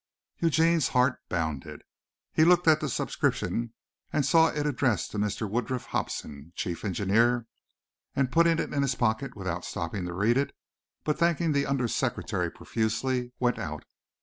Eugene's heart bounded. He looked at the superscription and saw it addressed to Mr. Woodruff Hobsen, Chief Engineer, and putting it in his pocket without stopping to read it, but thanking the under secretary profusely, went out.